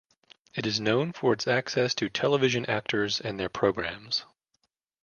It is known for its access to television actors and their programmes.